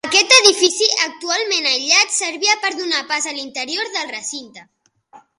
Aquest edifici, actualment aïllat, servia per donar pas a l'interior del recinte.